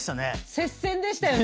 接戦でしたよね。